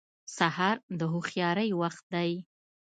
سهار د هوښیارۍ وخت دی.